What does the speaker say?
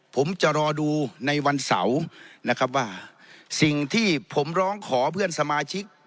ผมจะรอดูในวันเสาร์นะครับว่าสิ่งที่ผมร้องขอเพื่อนสมาชิก